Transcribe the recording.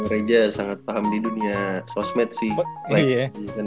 gereja sangat paham di dunia sosmed sih